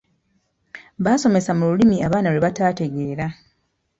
Basomesa mu Lulimi abaana lwe batategeera